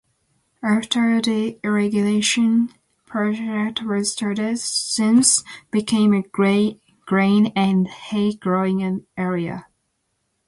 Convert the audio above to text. After the irrigation project was started, Simms became a grain and hay growing area.